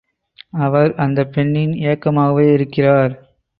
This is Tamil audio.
அவர் அந்தப் பெண்ணின் ஏக்கமாகவே இருக்கிறார்.